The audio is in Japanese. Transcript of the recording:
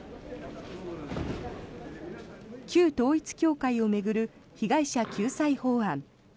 旧統一教会を巡る被害者救済法案。